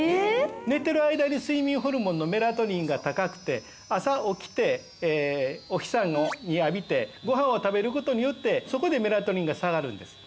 寝てる間に睡眠ホルモンのメラトニンが高くて朝起きてお日さん浴びてご飯を食べることによってそこでメラトニンが下がるんです。